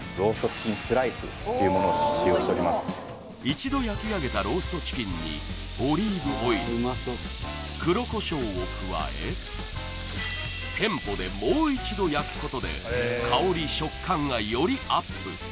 一度焼きあげたローストチキンにを加え店舗でもう一度焼くことで香り食感がよりアップ